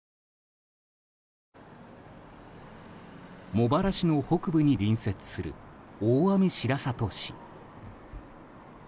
茂原市の北部に隣接する大網白里市。